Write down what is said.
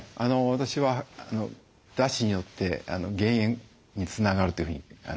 私はだしによって減塩につながるというふうにいろいろ経験しました。